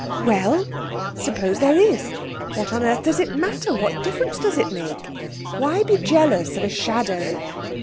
'Well, suppose there is; what on earth does it matter? What difference does it make? Why be jealous of a shadow?'